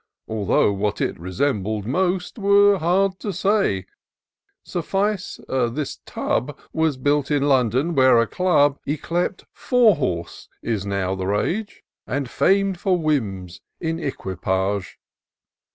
Although what it resembled most Were hard to say :— suffice, this tub Was built in London, where a dub. Yclept Four horsey is now the rage. And fam*d for whims in equipage.